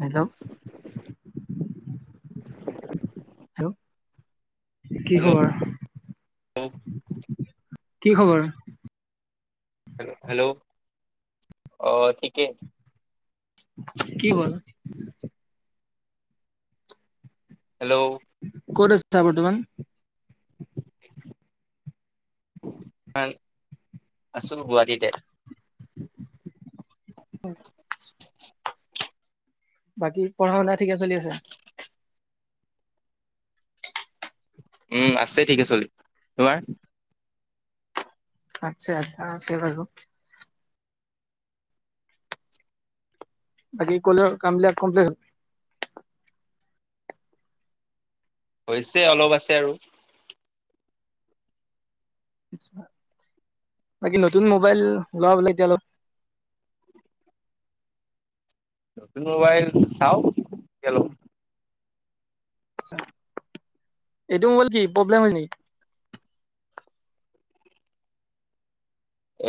Hello hello ' hello কি hello খবৰ? [unintelligible] কি খবৰ। হেল্ল হেল্ল' অ ঠিকে। কি ব। হেল্ল'। ক'ত আছা বৰ্তমান। আছো গুৱাটীতে। হয়। বাকী পঢ়া শুনা ঠিকে চলি আছে? উম আছে ঠিক আছে থিকে চলি তোমাৰ আছা আ আছে বাৰু বাকী কলেজৰ কামবিলাক কমপ্লিট হল। হৈছে অলপ আছে আৰু বাকী নতুন মোবাইল লোৱা বোলে এতিয়া অলপ, [inaudible] নতুন মোবাইল চাও গেলো। এইটো মোবাইল কি প্ৰব্লেম হয় নেকি?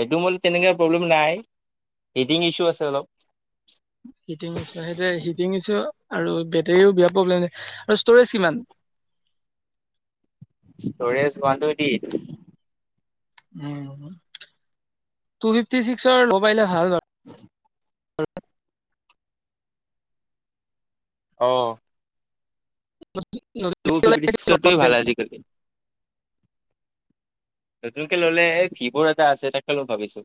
এইটো মোবাইল তেনেকুৱা প্ৰব্লেম নাই হিটিং ইছু আছে অলপ। তিনিচ আৰু বেটেৰীও বেয়া প্ৰব্লেম আৰু ষ্ট'ৰেজ কিমান? [inaudible] ইষ্টৰেজ ওৱান টোৱেনটি উ টু ফিফটি চিক্সৰ মোবাইল ভাল [unintelligible] হয়। অ' টু ফিফটি ছিক্সৰ ভাল আজিকালি। নতুনকে ললে এই ভিভ' এটা আছে তাকে লম ভাবিছোঁ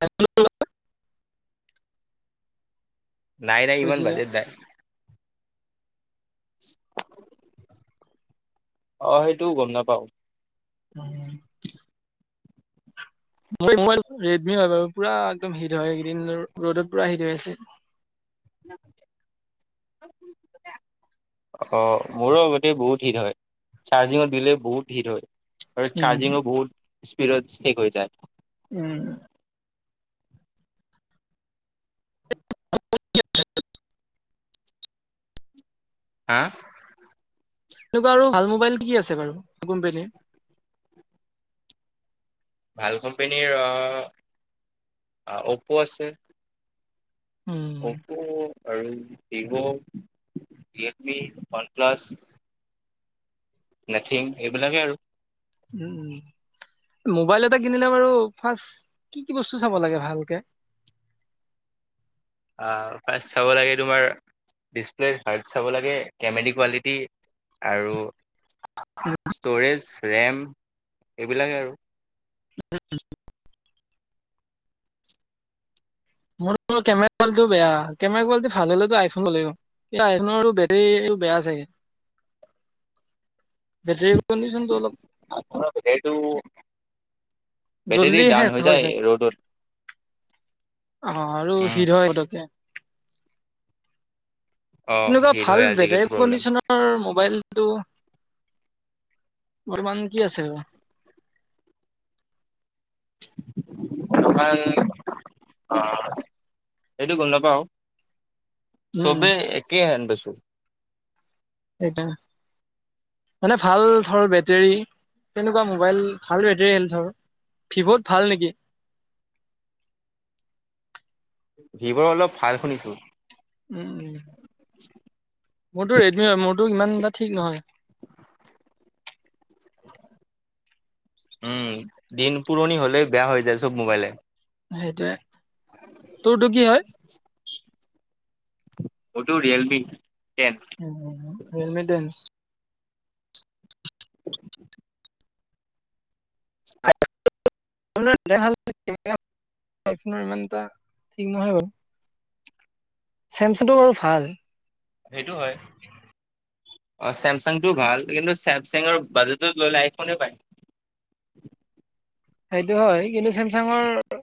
আ। নাই নাই ইমান বাজেত নাই। [unintelligible] অ সেইটোও গম নাপাওঁ। উম্ মই ৰেডমি হয় বাৰু পুৰা একদম হিট হয় এইদিন ৰ'দত পুৰা শীত হৈ আছে। ন্ [unintelligible] অ মোৰো গোটেই বহুত হিট হয় চাৰ্জিঙত দিলে বহুত হীট হয়। আৰু উম চাৰ্জিঙো বহুত স্পিডৰ স্ৰিট হৈ যায়। উম ত ত ত্ হা! এনেকোৱা আৰু ভাল মোবাইলটো কি আছে বাৰু কোম্পানীৰ। ভাল কোম্পানীৰ অপ' আছে। উম, অপ' আৰু Vivo Realme one plus. Nothing এইবিলাকে আৰু উম উম মোবাইল এটা কিনিলে বাৰু ফাৰ্ষ্ট কি কি বস্তু চাব লাগে ভালকে? [inaudible] আহ ফাৰ্ষ্ট চাব লাগে তোমাৰ ডিচপ্লে হাৰ্ট চাব লাগে কেমেৰি কোৱালিটি আৰু ষ্ট'ৰেজ, ৰেম এইবিলাকে আৰু [unintelligible] মোৰ কেমেৰা কোৱালিটিও বেয়া কেমেৰা কোৱালিটি ভাল হলেতো আইফোন ললে হ'ল। এই আইফনৰটো বেটৰীটো বেয়া চাগে। বেটৰি কনডিচন তো অলপ বেটেৰীটো বেটেৰী জল্দি ডাউন শেষ হৈ যায়। ৰ'দত অ আৰু হৃদ হয় পতকে অ' তেনেকোৱা হিট ভাল হয় বেটৰী আজিকালি প্ৰব্লেম কণ্ডিচনৰ মোবাইলটো বৰ্তমান কি আছে? [unintelligible] আ অ এইটো গম নাপাও। উম, চবে একে হেন বেছো। সেইটো মানে ভাল ধৰ বেটেৰী তেনেকুৱা মোবাইল ভাল বেটৰী হেলঠৰ ভিৱত ভাল নেকি? ভিভ অলপ ভাল শুনিছো। উম উম মোৰতো ৰেডমি হয় মোৰতো ইমান এটা ঠিক নহয়। উম দিন পুৰণি হলে বেয়া হৈ যায় চব মোবাইলে। সেইটোৱে। তোৰতো কি হয়? মোটো ৰিয়েলমি টেন উ হেলমেডেনছ [unintelligible] [unintelligible] চেমচাংটো বাৰু ভাল। সেইটো হয়। অ চেমচাংটোও ভাল কিন্তু চেমচাঙৰ বাজেটত ল'লে আইফোনে পায়। সেইটো হয় কিন্তু চেমচাঙৰ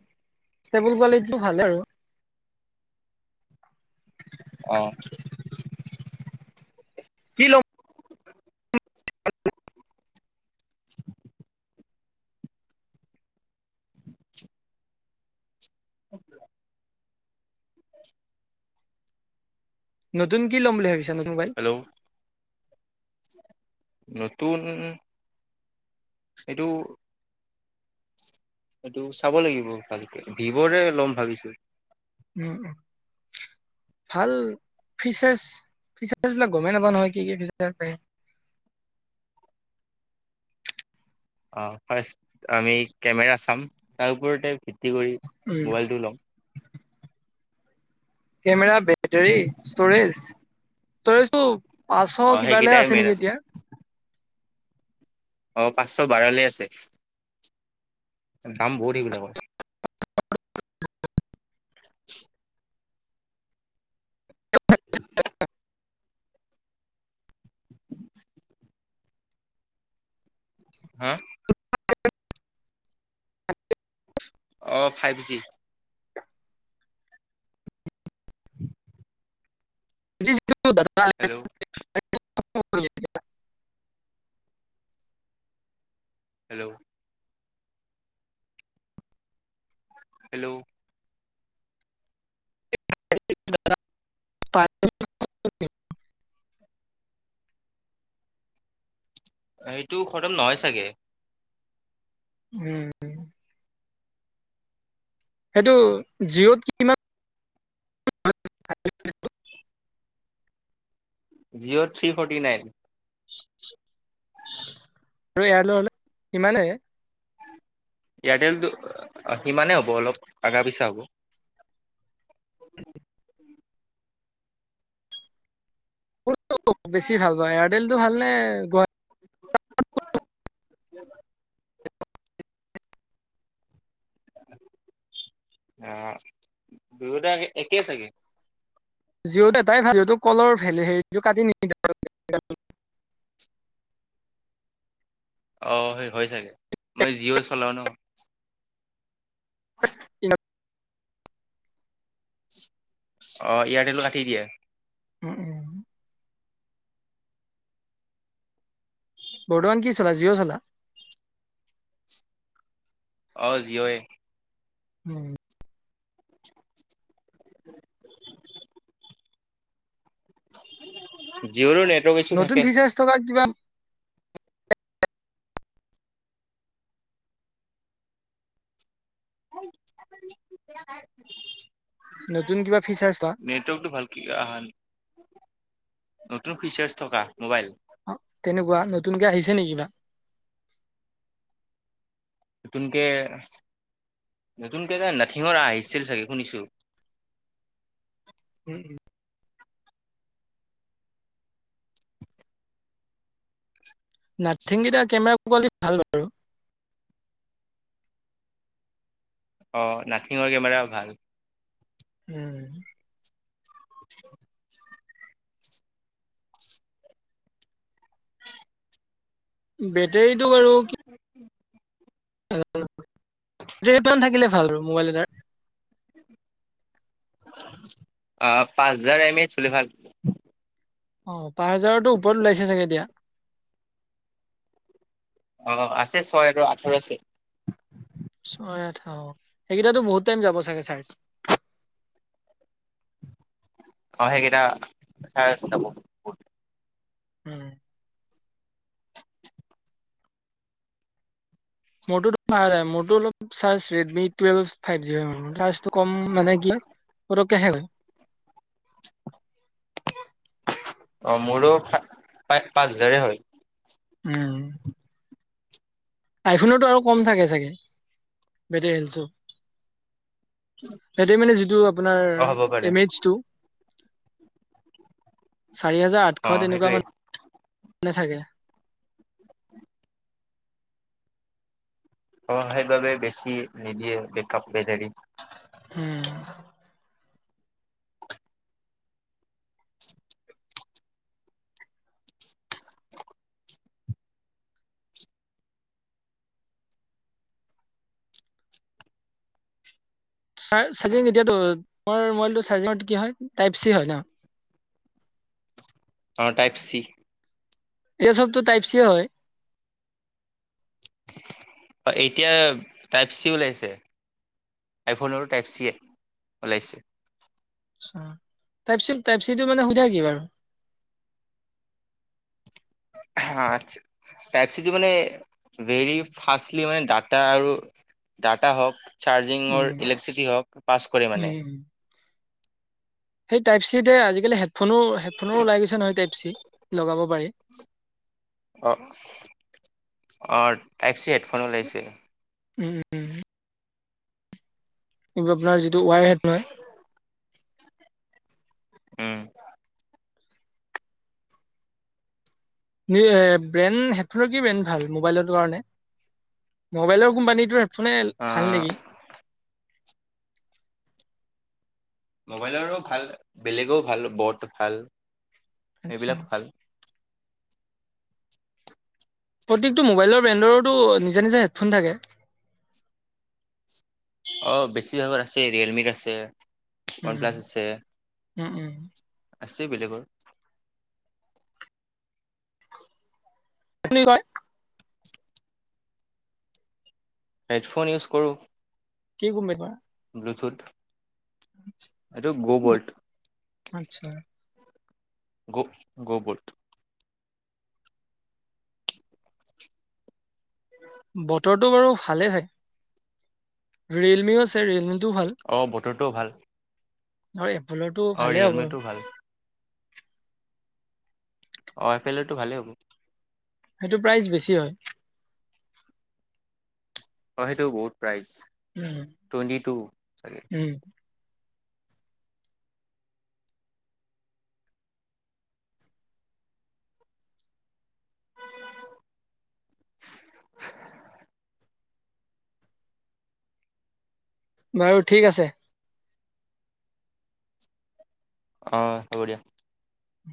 ষ্টেবুল কোৱালিটিটো ভাল আৰু। [unintelligible] অ [inaudible] কি ল [inaudible] [inaudible] [inaudible] নতুন কি ল'ম বুলি ভাবিছা নত- হেল্ল' নতুন এইটো সেটো চাব লাগিব ভালকে ভিভৰে লম ভাবিছোঁ। উম উ ভাল [unintelligible] ফিচাৰ ফিচাৰ বিলাক গমেই নাপা নহয় কি কি ফিচাৰ থাকে। [unintelligible] [inaudible] অ ফাৰ্ষ্ট আমি কেমেৰা চাম তাৰ ওপৰতে তি কৰি উম মোবাইলটো লম। [unintelligible] কেমেৰা বেটৰি ষ্টৰেজ তইতো। [unintelligible] অ পাছশ কিবালে সেইকেইটাই আছে মেইন এতিয়া। অ পাঁচশ বাৰলৈ আছে দাম বহুত সেইবিলাকৰ। । [inaudible] । [inaudible] সা। অঁ five G.. [inaudible] . [unintelligible] [unintelligible] Hello [inaudible] hello. Hello. [unintelligible] [inaudible] এইটো খতম নহয় চাগে। উম। সেইটো জিঅ'ত কিমান। [unintelligible] [inaudible] জিঅ' থ্ৰী ফৰ্টি নাইন [unintelligible] আৰু ইয়াৰ লগ সমানেই [unintelligible] এয়াৰটেলটো সিমানেই। [unintelligible] । [unintelligible] [inaudible] বেছি ভাল পাওঁ এয়াৰটেলটো ভালনে গুৱাহাট। [unintelligible] । [inaudible] অ দুইটা একেই চাগে [unintelligible] যিঅত তটাই ভ যিহতটো কলৰ হেৰিটো কাটি নেকি ত। [unintelligible] [inaudible] অ সেই হয় চাগে মই জিঅ' চলাও ন। কি [unintelligible] অ ইয়াতেলটো কাটি দিয়ে [unintelligible] উম উম। [unintelligible] বৰ্তমান কি চলা জিঅ' চলা। অ জিঅ। উম [unintelligible] [unintelligible] [inaudible] জিঅ নেট। নতুন ফিচাৰছ থকা কিবা। [unintelligible] নতুন কিবা ফিচাৰ্চ [inaudible] নেটৱৰ্কটো ভালকে অহা নাই। নতুন ফিচাৰ্চ থকা মোবাইল। অ তেনেকুৱা নতুনকে আহিছে নেকি বা। নতুনকে নতুনকে। । [inaudible] নাথিংকেইটাৰ। অ নাখিঙৰ কেমেৰা ভাল। হম। । [unintelligible] বেটেৰীটো বাৰু কি। প্ থাকিলে ভাল আৰু মোবাইল এটাৰ আহ পাঁচ হাজাৰ এম এ চলে ভাল। অ পাৰ হাজাৰো ওপৰত ওলাইছে। অ আছে ছয় আৰু আঠৰ আছে। ছয় আঠ অ সেইকেইটো বহুত টাইম যাব চাগে চাৰ্জ [unintelligible] অ সেইকেইটা চাৰ্জ যাব বহুত উম মোৰটোতো ভাল হয় মোৰটো অলপ ৰেড মি টো ফাইব জি হয় চাৰ্জেটো কম মানে কি হয় পতকে শেষ হয়। অঁ মোৰো পা পাঁচ হেজাৰে হয়। উম আইফনতো আৰু কম থাকে চাগে মেটেৰীয়েলটো সেটো মানে যিটো অ', হ'ব আপোনাৰ পাৰে এমেজটো। চাৰি হাজাৰ আঠশ অ', তেনেকুৱা সেইটোৱে মান নেথাকে- অ সেইবাবে বেছি নিদিয়ে বেকআপ [unintelligible] উম চাৰ্জ চাৰ্জিও এতিয়া তোমাৰ মবাইলটো চাৰ্জিঙ কি হয় টাইপ চি হয় ন অ টাইপ চি এই চবটো টাইপ চি হয়। এতিয়া টাইপ চি ওলাইছে। আইফনৰো টাইপ চি এ ওলাইছে টাইপ চিটো মানে সোধা কি বাৰু- হা তাইপছিটোি মানে। ভেৰি ফাষ্টলি মানে ডাটা আৰু ডাটা হওক- চাৰ্জিঙৰ উম ইলেক্ট্ৰিচিটি হওক পাছ কৰে মানে। উম সেই টাইপ চিতে আজিকালি হেডফোনো হেডফোনো ওলাই গৈছে নহয় টাইপ চি লগাব পাৰি অঁ অঁ টাইপচি হেডফোন ওলাইছে উম উম- কি আপোনাৰ যিটো ৱাই হেড নহয়। উম এ ব্ৰেণ্ড হেডফোনৰ কি ব্ৰেণ্ড ভাল মোবাইলৰ কাৰণে। মোবাইলৰ কোম্পানীটোৰ হেডফোনে ভাল অ', নেকি। মোবাইলৰো ভাল বেলেগো ভাল বত ভাল- আচ্ছা এইবিলাক ভাল। প্ৰত্যেকটো মোবাইলৰ ব্ৰেণ্ডৰো টো নিজা নিজা হেডফোন থাকে। অ বেছিভাগত আছে ৰিয়েলমিত আছে ওৱান উম প্লাছ আছে উম উম- আছে বেলেগৰ, - কি বুলি কয়। হেডফোন ইউজ কৰোঁ। কি কোম্পানিৰ হয়। ব্লুটুথ এইটো গ' বু বল্ট আচ্ছা গ গবুট বতৰটো বাৰু ভালে হয়। ৰিয়েলমিও ৰিয়েলমিটোও ভাল অ বতৰটোও ভাল- আৰু এপ'লৰটো অঁ ভালে হ'ব ৰিয়েলমিটো ভাল অ এফালেটো ভালেই হ'ব সেইটো প্ৰাইচ বেছি হয় অ সেইটো বহুত প্ৰাইজ উম টুৱেণ্টি টু চাগে উম [unintelligible] বাৰু ঠিক আছে। অ হ'ব দিয়া। উ